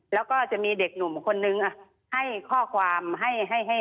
แล้วก็จะมีเด็กหนุ่มคนนึงให้ข้อความให้